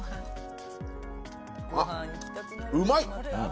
あっうまい！